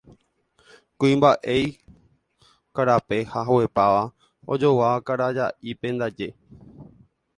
Kuimba'e'i karape, haguepáva, ojoguáva karaja'ípe ndaje.